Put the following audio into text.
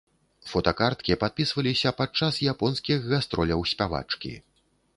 Фотакарткі падпісваліся падчас японскіх гастроляў спявачкі.